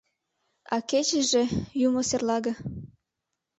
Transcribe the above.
А кечыже — юмо серлаге!